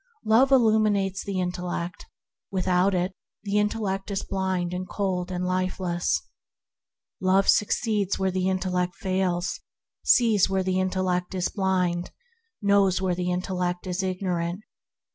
Love illuminates the intellect; without it the intellect is blind and cold and lifeless. Love succeeds where the intellect fails; sees where the intellect is blind; knows where the intellect is ignorant.